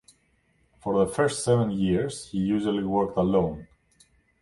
For the first seven years, he usually worked alone.